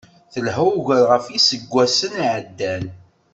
Telḥa ugar ɣef yiseggasen iεeddan.